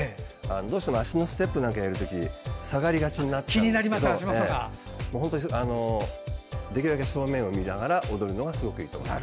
どうしても脚のステップなんかをやる時下がりがちになっちゃうんですけどできるだけ正面を見ながら踊るのがすごくいいと思います。